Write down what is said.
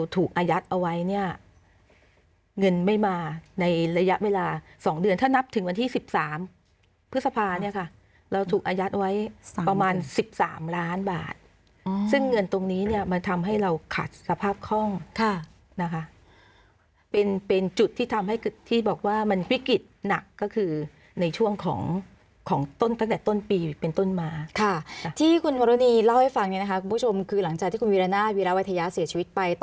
ถึงวันที่สิบสามพฤษภาเนี้ยค่ะเราถูกอาญาตไว้ประมาณสิบสามล้านบาทอืมซึ่งเงินตรงนี้เนี้ยมันทำให้เราขาดสภาพคล่องค่ะนะคะเป็นเป็นจุดที่ทำให้ที่บอกว่ามันวิกฤตหนักก็คือในช่วงของของต้นตั้งแต่ต้นปีเป็นต้นมาค่ะที่คุณมารุณีเล่าให้ฟังเนี้ยนะคะคุณผู้ชมคือหลังจากที่คุณวิ